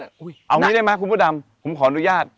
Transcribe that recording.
เอางี้ได้ไหมคุณพระดำผมขออนุญาต